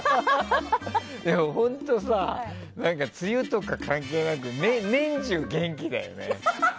でも、本当さ梅雨とか関係なく年中、元気だよね。